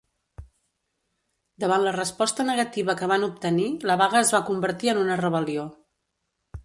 Davant la resposta negativa que van obtenir, la vaga es va convertir en una rebel·lió.